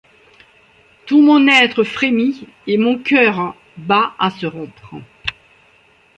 Tout mon être frémit, et mon cœur bat à se rompre!